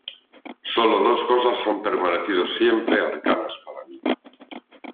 sólo dos cosas han permanecido siempre arcanas para mí: